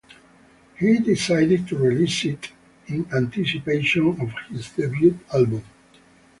He decided to release it in anticipation of his debut album.